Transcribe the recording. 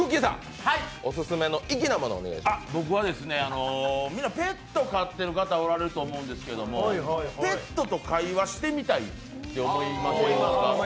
僕は、みんなペット飼ってる方おられると思うんですけどペットと会話してみたいって思いませんか？